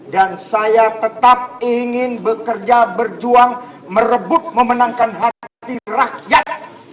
dan saya tetap ingin bekerja berjuang merebut memenangkan hati rakyat